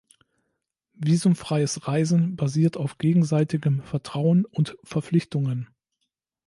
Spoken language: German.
Visumfreies Reisen basiert auf gegenseitigem Vertrauen und Verpflichtungen.